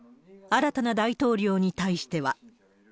新たな大統領に対しては。